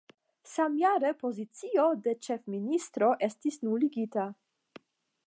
Samjare pozicio de ĉefministro estis nuligita.